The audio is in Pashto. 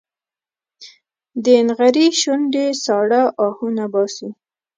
د نغري شوندې ساړه اهونه باسي